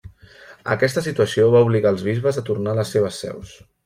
Aquesta situació va obligar els bisbes a tornar a les seves seus.